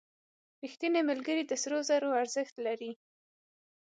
• رښتینی ملګری د سرو زرو نه ارزښت لري.